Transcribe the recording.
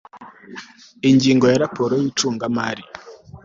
ingingo ya raporo y icungamari